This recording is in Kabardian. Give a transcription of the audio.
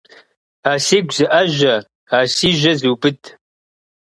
А сигу зыIэжьэ, а си жьэ зубыд.